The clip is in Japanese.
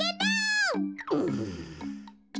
うん。